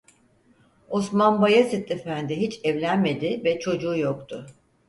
Osman Bayezid Efendi hiç evlenmedi ve çocuğu yoktu.